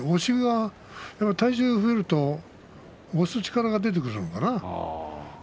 体重が増えると押す力が出てくるのかな